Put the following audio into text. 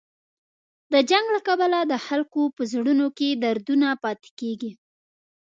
د جنګ له کبله د خلکو په زړونو کې دردونه پاتې کېږي.